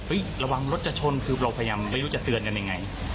ระวังรถจะชนคือเราพยายามไม่รู้จะเตือนกันยังไง